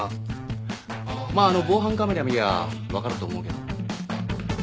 まああの防犯カメラ見りゃ分かると思うけど。